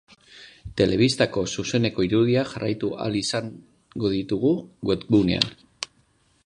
Telebistako zuzeneko irudiak jarraitu ahal izango dituzu webgunean.